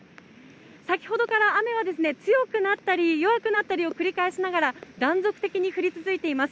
先ほどから雨は強くなったり弱くなったりを繰り返しながら、断続的に降り続いています。